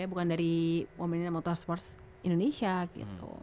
bukan dari women in motorsport indonesia gitu